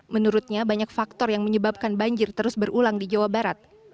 menurutnya banyak faktor yang menyebabkan banjir terus berulang di jawa barat